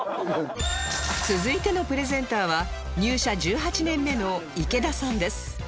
続いてのプレゼンターは入社１８年目の池田さんです